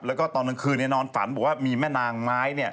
แล้วก็ตอนกลางคืนนอนฝันบอกว่ามีแม่นางไม้เนี่ย